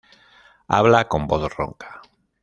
Habla con voz ronca.